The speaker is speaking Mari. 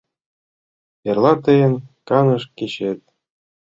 — Эрла тыйын каныш кечет.